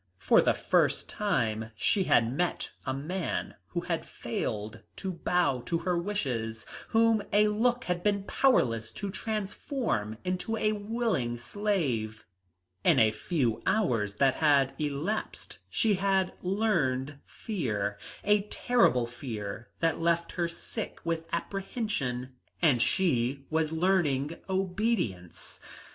For the first time she had met a man who had failed to bow to her wishes, whom a look had been powerless to transform into a willing slave. In a few hours that had elapsed she had learned fear, a terrible fear that left her sick with apprehension, and she was learning obedience.